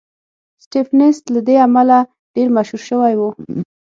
سټېفنس له دې امله ډېر مشهور شوی و